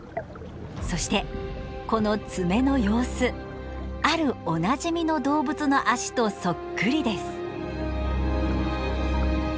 そしてこの爪の様子あるおなじみの動物の足とそっくりです。